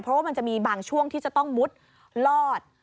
เพราะว่ามันจะมีบางช่วงที่จะต้องมุดลอด